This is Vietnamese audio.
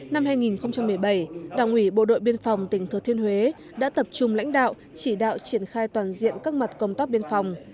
năm hai nghìn một mươi bảy đảng ủy bộ đội biên phòng tỉnh thừa thiên huế đã tập trung lãnh đạo chỉ đạo triển khai toàn diện các mặt công tác biên phòng